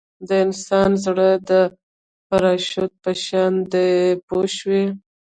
د انسان زړه د پراشوټ په شان دی پوه شوې!.